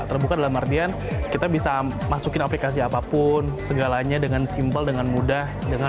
terbuka dalam artian kita bisa masukin aplikasi apapun segalanya dengan simpel dengan mudah dengan